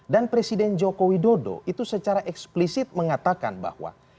dan presiden jokowi dodo itu secara eksplisit mengatakan bahwa